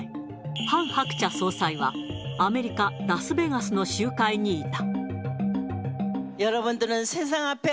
ハン・ハクチャ総裁は、アメリカ・ラスベガスの集会にいた。